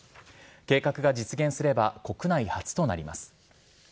計画が実現すれば国内初となります。